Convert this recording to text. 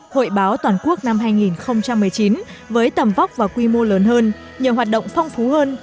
hội báo toàn quốc năm hai nghìn một mươi chín với tầm vóc và quy mô lớn hơn nhiều hoạt động phong phú hơn